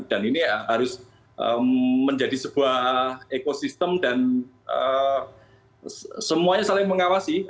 dan ini harus menjadi sebuah ekosistem dan semuanya saling mengawasi